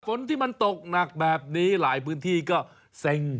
ฝนที่มันตกหนักแบบนี้หลายพื้นที่ก็เซ็ง